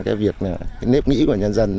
cái việc nếp nghĩ của nhân dân